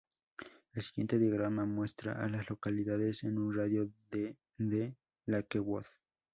El siguiente diagrama muestra a las localidades en un radio de de Lakewood.